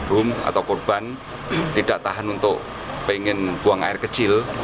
room atau korban tidak tahan untuk pengen buang air kecil